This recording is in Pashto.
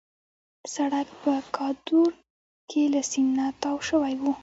سړک په کادور کې له سیند نه تاو شوی وو.